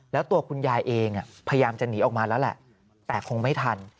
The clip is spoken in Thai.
แล้วตัวคุณยายเองพยายามจะหนีออกมาแล้วแหละแต่คงไม่ทัน